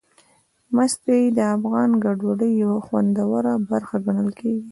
مستې د افغاني ډوډۍ یوه خوندوره برخه ګڼل کېږي.